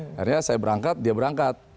akhirnya saya berangkat dia berangkat